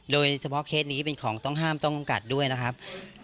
โดยเฉพาะเคสนี้เป็นของต้องห้ามต้องกัดด้วยนะครับ